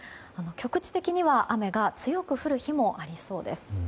局地的には雨が強く降る日もありそうです。